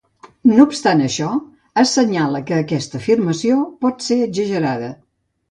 No obstant això, s'assenyala que aquesta afirmació pot ser exagerada.